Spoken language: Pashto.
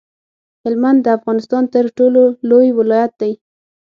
هلمند د افغانستان تر ټولو لوی ولایت دی